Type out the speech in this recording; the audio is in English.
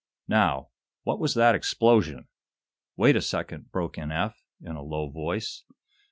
Now, what was that explosion?" "Wait a second!" broke in Eph, in a low voice.